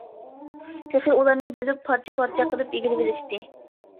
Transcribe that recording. تېخى ئۇلارنى بۆلۈپ پارچە- پارچە قىلىپ ئىگىلىۋېلىشتى.